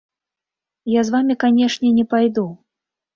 Я з вамі, канечне, не пайду.